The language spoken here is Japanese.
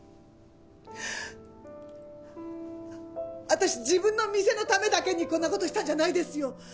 私自分の店のためだけにこんな事したんじゃないですよ。